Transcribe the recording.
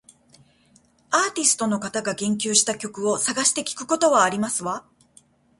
アーティストの方が言及した曲を探して聞くことはありますわ